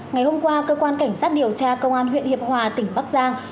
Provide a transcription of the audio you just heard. ngày hôm qua cơ quan cảnh sát điều tra công an huyện hiệp hòa tỉnh bắc giang